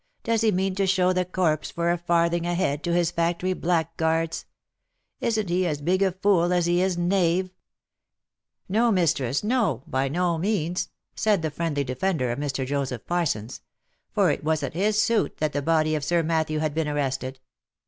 " Does he mean to show the corpse for a farthing a head to his factory black guards ? Isn't he as big a fool as he is knave V* " No, mistress, no, by no means," said the friendly defender of Mr. Joseph Parsons: — for it was at his suit that the body of Sir Matthew had been arrested.